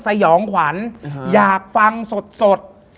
สยองขวัญอยากฟังสด